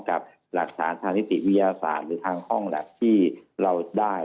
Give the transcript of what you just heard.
กับหลักฐานทางนิติวิทยาศาสตร์หรือทางห้องแล็บที่เราได้